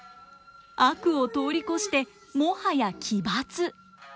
悪を通り越してもはや奇抜。